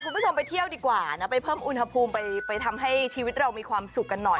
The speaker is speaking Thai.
คุณผู้ชมไปเที่ยวดีกว่านะไปเพิ่มอุณหภูมิไปทำให้ชีวิตเรามีความสุขกันหน่อย